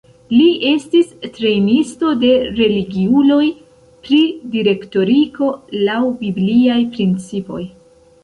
Li estis trejnisto de religiuloj pri direktoriko laŭ bibliaj principoj.